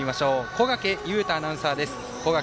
小掛雄太アナウンサーです。